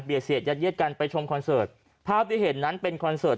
เสียดยัดเยียดกันไปชมคอนเสิร์ตภาพที่เห็นนั้นเป็นคอนเสิร์ต